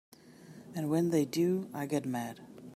And when they do I get mad.